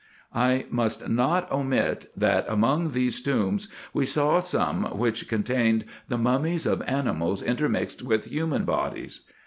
I must not omit, that among these tombs we saw some which contained the mummies of animals intermixed with human bodies.